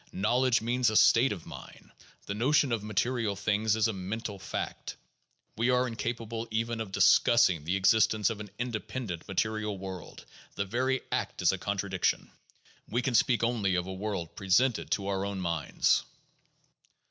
Knowledge means a state of mind ; the notion of material things is a mental fact. We are incapable even of discussing the existence of an independent material world ; the very act is a contradiction. We can speak only of a world presented to our own minds."